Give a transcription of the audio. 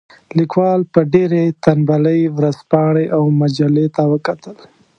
لیکوال په ډېرې تنبلۍ ورځپاڼې او مجلې ته وکتل.